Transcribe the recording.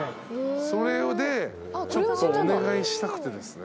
それでちょっとお願いしたくてですね。